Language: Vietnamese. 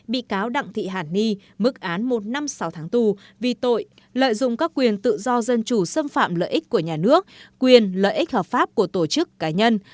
bị cáo đặng thị hàn ni mức án một năm sáu tháng tù vì tội lợi dụng các quyền tự do dân chủ xâm phạm lợi ích của nhà nước quyền lợi ích hợp pháp của tổ chức cá nhân